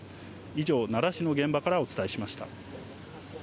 以上、奈良市の現場からお伝えしました。